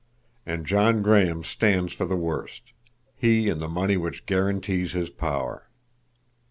And John Graham stands for the worst—he and the money which guarantees his power.